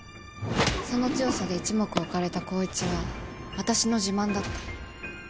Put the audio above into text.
その強さで一目置かれた光一は私の自慢だった。